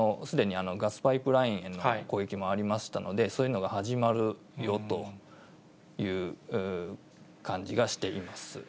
すでにガスパイプラインへの攻撃もありましたので、そういうのが始まるよという感じがしています。